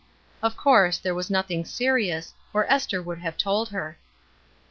Of course, there was nothing serious, or Esther would have told her.